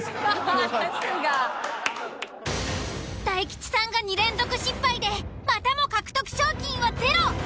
大吉さんが２連続失敗でまたも獲得賞金はゼロ！